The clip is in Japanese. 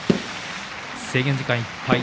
制限時間いっぱい。